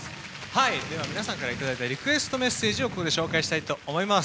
では皆さんから頂いたリクエストメッセージをここで紹介したいと思います。